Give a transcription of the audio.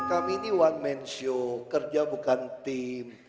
kami ini one man show kerja bukan tim